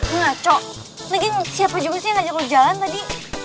engga cok mungkin siapa juga sih yang ngajak lo jalan tadi